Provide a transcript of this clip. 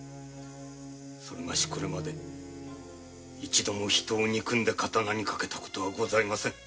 それがしこれまで一度も人を憎んで刀にかけた事はございません。